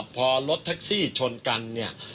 พอรถแท็กซี่ชนกันเนี่ย